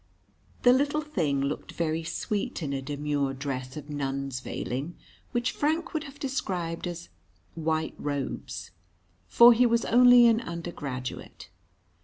The little thing looked very sweet in a demure dress of nun's veiling, which Frank would have described as "white robes." For he was only an undergraduate.